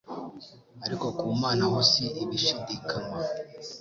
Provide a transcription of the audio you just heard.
ariko ku Mana ho si ibishidikanywa